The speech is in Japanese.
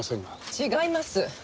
違います。